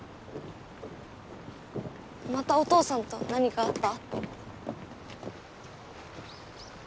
またお父さんと何かあった？